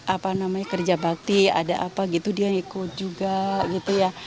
apa namanya kerja bakti ada apa gitu dia ikut juga gitu ya